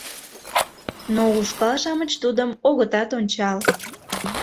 Но ушкал-шамыч тудым огытат ончал.